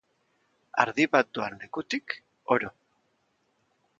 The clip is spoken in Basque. Ardi bat doan lekutik, oro.